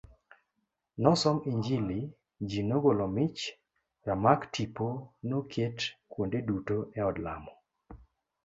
Nosom injili, ji nogolo mich, ramak tipo noket kuonde duto e od lamo.